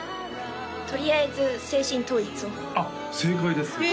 とりあえず精神統一をあっ正解ですへえ